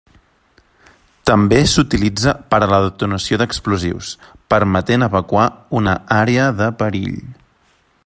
També s'utilitza per a la detonació d'explosius, permetent evacuar una àrea de perill.